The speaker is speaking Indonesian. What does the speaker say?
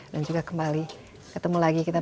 dan juga kembali ketemu lagi kita